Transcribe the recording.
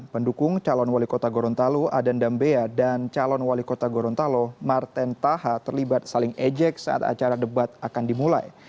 pendukung calon wali kota gorontalo adan dambea dan calon wali kota gorontalo marten taha terlibat saling ejek saat acara debat akan dimulai